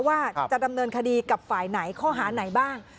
ว่าจะดำเนินคดีกับฝ่ายไหนข้อหาไหนบ้าง